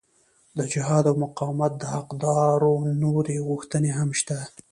د جهاد او مقاومت د حقدارو نورې غوښتنې هم شته.